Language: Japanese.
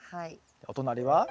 お隣は？